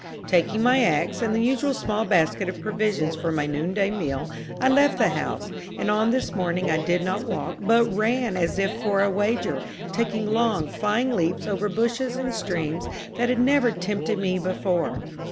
Taking my ax, and the usual small basket of provisions for my noonday meal, I left the house; and on this morning I did not walk, but ran as if for a wager, taking long, flying leaps over bushes and streams that had never tempted me before.